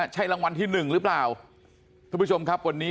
ใช่รางวัลที่หนึ่งหรือเปล่าทุกผู้ชมครับวันนี้